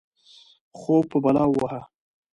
خوب په بلا ووهه.